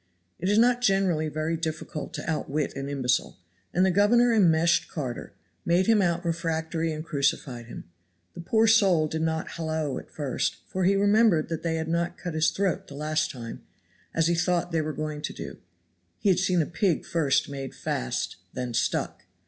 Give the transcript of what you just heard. It is not generally very difficult to outwit an imbecile, and the governor enmeshed Carter, made him out refractory and crucified him. The poor soul did not hallo at first, for he remembered they had not cut his throat the last time, as he thought they were going to do (he had seen a pig first made fast then stuck).